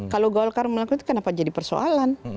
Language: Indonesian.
kalau golkar melakukan itu kenapa jadi persoalan